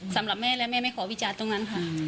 สำหรับแม่และแม่ไม่ขอวิจารณ์ตรงนั้นค่ะ